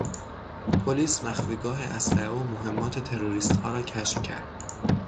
پلیس مخفیگاه اسلحه و مهمات تروریستها را کشف کرد.